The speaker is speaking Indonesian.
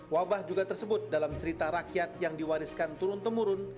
wabah juga tersebut dalam cerita rakyat yang diwariskan turun temurun